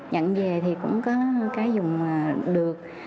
nhận về thì cũng có cái dùng được